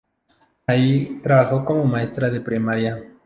Ahí trabajó como maestra de primaria.